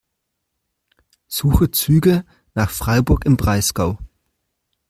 Suche Züge nach Freiburg im Breisgau.